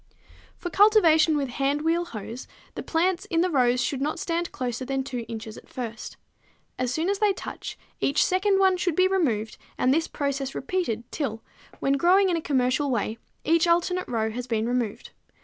For cultivation with hand wheel hoes the plants in the rows should not stand closer than 2 inches at first. As soon as they touch, each second one should be removed and this process repeated till, when growing in a commercial way, each alternate row has been removed.